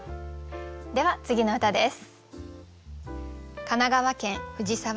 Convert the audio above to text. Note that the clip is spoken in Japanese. では次の歌です。